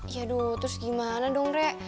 yaudah terus gimana dong re